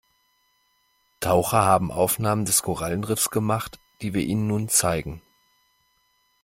Taucher haben Aufnahmen des Korallenriffs gemacht, die wir Ihnen nun zeigen.